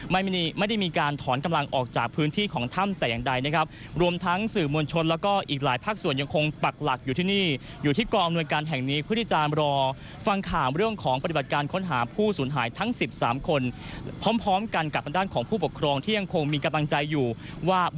ไม่ได้ไม่ได้มีการถอนกำลังออกจากพื้นที่ของถ้ำแต่อย่างใดนะครับรวมทั้งสื่อมวลชนแล้วก็อีกหลายภาคส่วนยังคงปักหลักอยู่ที่นี่อยู่ที่กองอำนวยการแห่งนี้เพื่อที่จะรอฟังข่าวเรื่องของปฏิบัติการค้นหาผู้สูญหายทั้ง๑๓คนพร้อมพร้อมกันกับทางด้านของผู้ปกครองที่ยังคงมีกำลังใจอยู่ว่า